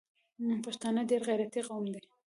پښتانه ډېر غیرتي قوم ده